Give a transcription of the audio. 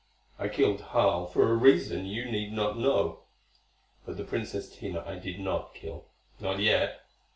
I killed Harl for a reason you need not know. But the Princess Tina I did not kill. Not yet.